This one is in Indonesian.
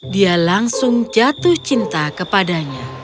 dia langsung jatuh cinta kepadanya